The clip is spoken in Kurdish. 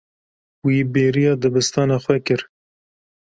Wî bêriya dibistana xwe kir.